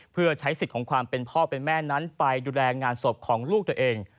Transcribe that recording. เพื่อใช้สิทธิ์ของความเป็นพ่อเป็นแม่นั้นไปดูแลงานศพของลูกตัวเอง